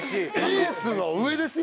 エースの上ですよ！